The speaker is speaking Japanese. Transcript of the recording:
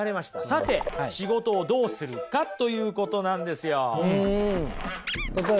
さて仕事をどうするかということなんですよ。